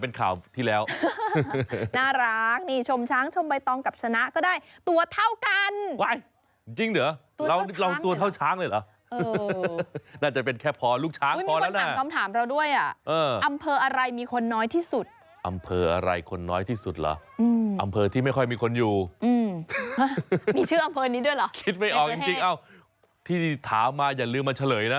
เอ้าจริงเอ้าที่ถามมาอย่าลืมมาเฉลยนะ